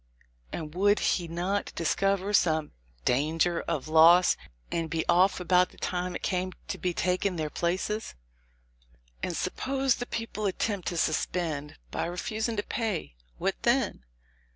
And would he not discover some 'danger of loss,' and be off about the time it came to taking their places ? "And suppose the people attempt to suspend, by refusing to pay; what then?